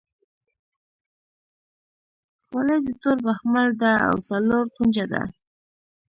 خولۍ د تور بخمل ده او څلور کونجه ده.